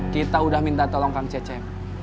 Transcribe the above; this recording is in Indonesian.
kita udah minta tolong kang cecem